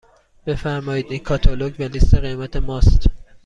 بفرمایید این کاتالوگ و لیست قیمت ماست.